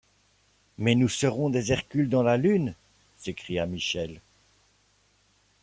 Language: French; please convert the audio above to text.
Mais nous serons des Hercules dans la Lune! s’écria Michel.